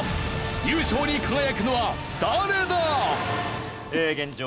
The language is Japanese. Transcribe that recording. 優勝に輝くのは誰だ！？現状